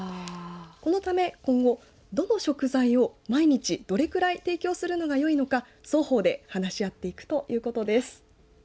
このため今後どの食材を毎日どれぐらい提供するのがよいのか双方で話し合っていくということです。